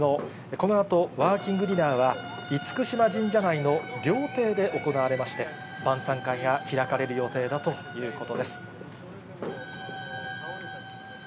このあとワーキングディナーは厳島神社内の料亭で行われまして、晩さん会が開かれる予定だということです。